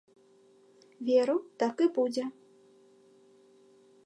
Веру, так і будзе.